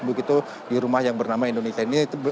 begitu di rumah yang bernama indonesia ini